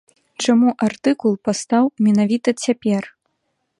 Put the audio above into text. Чаму артыкул паўстаў менавіта цяпер?